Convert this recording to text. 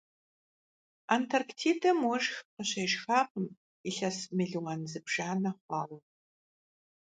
Антарктидэм уэшх къыщешхакъым илъэс мелуан зыбжанэ хъуауэ.